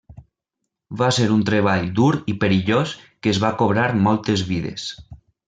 Va ser un treball dur i perillós que es va cobrar moltes vides.